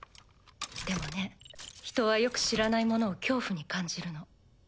でもね人はよく知らないものを恐怖に感じるの。